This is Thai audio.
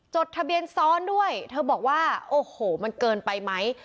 จดทะเบียนซ้อนด้วยเธอบอกว่าโอ้โหมันเกินไปไหม